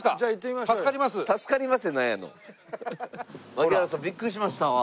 槙原さんビックリしましたわ。